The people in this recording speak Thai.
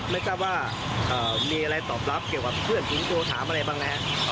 นึกว่ามีอะไรตอบรับเกี่ยวกับเพื่อนคุณโทรถามอะไรบ้างนะ